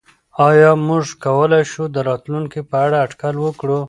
آیا موږ کولای شو د راتلونکي په اړه اټکل وکړو؟